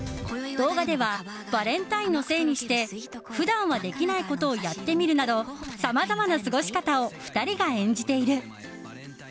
動画ではバレンタインのせいにして普段はできないことをやってみるなどさまざまな過ごし方を２人が演じている。